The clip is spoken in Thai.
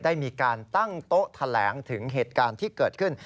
ได้มีการตั้งโต๊ะแถลงถึงเหตุการณ์ที่เกิดขึ้น